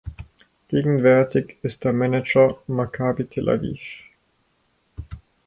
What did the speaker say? Gegenwärtig ist er Manager Maccabi Tel Aviv.